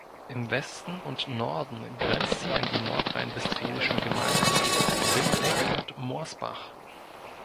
Im Westen und Norden grenzt sie an die nordrhein-westfälischen Gemeinden Windeck und Morsbach.